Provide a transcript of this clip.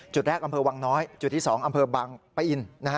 จุดแรกอำเภอวังน้อยจุดที่๒อำเภอบังปะอิน